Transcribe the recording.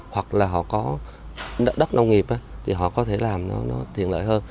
hoặc là họ có đất nông nghiệp thì họ có thể làm nó tiện lợi hơn